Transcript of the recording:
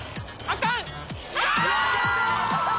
あっ！